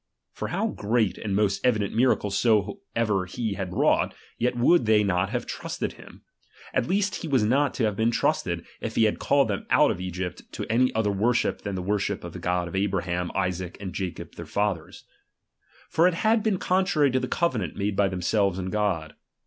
For how great and most evi dent miracles soever he had wrought, yet would they not have trusted him, at least he was not to have been trusted, if he had called them out of Egypt to any other worship than the worship of the God of Abraham, Isaac, and Jacob their fathers For it had been contrary to the covenant made by themselves with God.